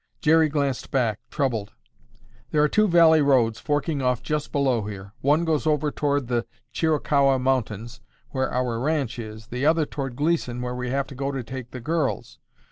Jerry glanced back, troubled. "There are two valley roads forking off just below here. One goes over toward the Chiricahua Mountains where our ranch is, the other toward Gleeson where we have to go to take the girls.